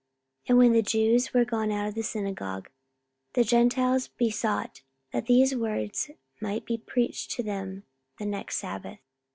44:013:042 And when the Jews were gone out of the synagogue, the Gentiles besought that these words might be preached to them the next sabbath.